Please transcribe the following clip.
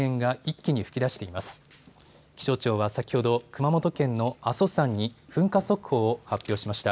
気象庁は先ほど熊本県の阿蘇山に噴火速報を発表しました。